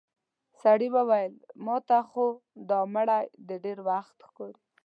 سړي وويل: ماته خو دا مړی د ډېر وخت ښکاري.